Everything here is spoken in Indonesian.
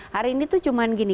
hari ini tuh cuman gini